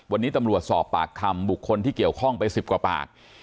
วันนี้ตำรวจสอบปากคำบุคคลที่เกี่ยวข้องไป๑๐กว่าปาก